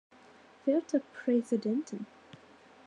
Werte Präsidenten!